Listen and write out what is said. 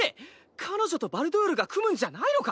彼女とバルドゥールが組むんじゃないのか？